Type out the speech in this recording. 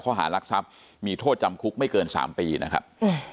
รักทรัพย์มีโทษจำคุกไม่เกิน๓ปีนะครับ